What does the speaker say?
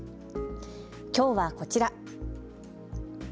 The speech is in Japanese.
きょうは、こちら。